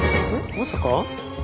まさか？